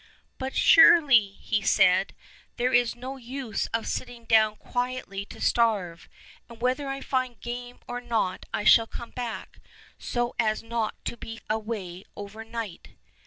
"But surely," he said, "there is no use of sitting down quietly to starve; and whether I find game or not I shall come back, so as not to be away overnight."